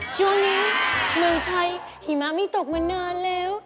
ช่วงนี้เมืองไทยหิมะไม่ตกมานานแล้ว